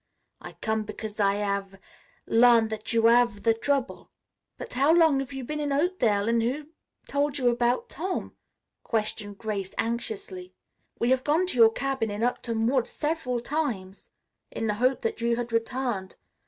"I come because I hav' learn that you hav' the trouble." "But how long have you been in Oakdale and who told you about Tom?" questioned Grace anxiously. "We have gone to your cabin in Upton Wood several times, in the hope that you had returned.